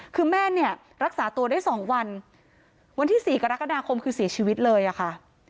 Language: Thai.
คือแม่เนี่ยรักษาตัวได้สองวันวันที่๔กรกฎาคมคือเสียชีวิตเลยอะค่ะ